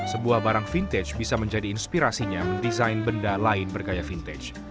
sebuah barang vintage bisa menjadi inspirasinya mendesain benda lain bergaya vintage